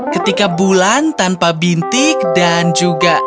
ketika bulan tanpa bintik dan juga